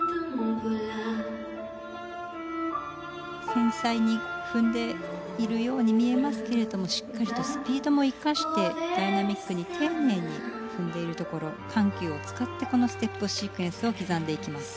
繊細に踏んでいるように見えますけれどもしっかりとスピードも生かしてダイナミックに丁寧に踏んでいるところ緩急を使ってこのステップシークエンスを刻んでいきます。